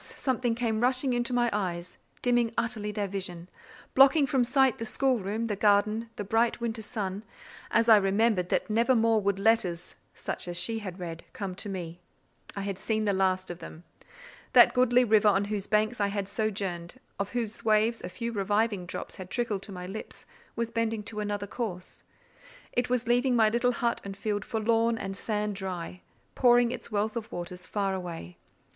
something came rushing into my eyes, dimming utterly their vision, blotting from sight the schoolroom, the garden, the bright winter sun, as I remembered that never more would letters, such as she had read, come to me. I had seen the last of them. That goodly river on whose banks I had sojourned, of whose waves a few reviving drops had trickled to my lips, was bending to another course: it was leaving my little hut and field forlorn and sand dry, pouring its wealth of waters far away.